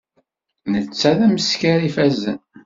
Netta d ameskar ifazen.